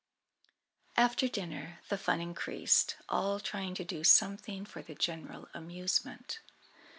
After dinner the fun increased, all trying to do something for the general amusement.